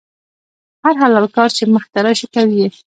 هر حلال کار چې مخې ته شي، کوي یې.